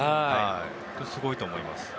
本当にすごいと思います。